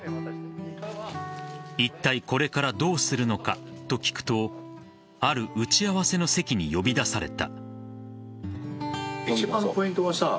いったいこれからどうするのかと聞くとある打ち合わせの席に呼び出された。